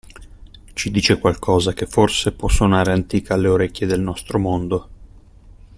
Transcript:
Ci dice qualcosa che forse può suonare antica alle orecchie del nostro mondo.